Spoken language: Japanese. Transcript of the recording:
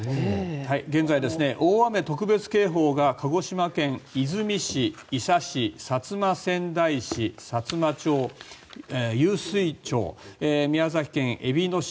現在、大雨特別警報が鹿児島県出水市、伊佐市薩摩川内市さつま町、湧水町宮崎県えびの市